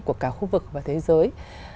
của cả khu vực và thế giới